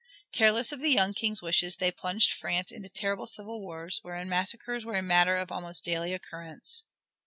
Careless of the young King's wishes they plunged France into terrible civil wars wherein massacres were a matter of almost daily occurrence.